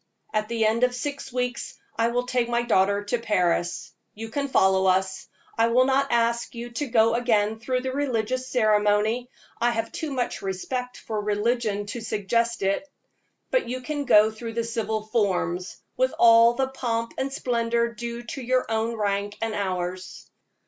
At the end of six weeks I will take my daughter to Paris, you can follow us. I will not ask you to go again through the religious ceremony I have too much respect for religion to suggest it; but you can go through the civil forms, with all the pomp and splendor due to your own rank and ours.